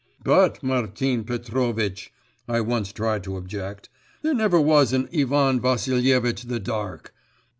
'But, Martin Petrovitch,' I once tried to object, 'there never was an Ivan Vassilievitch the Dark.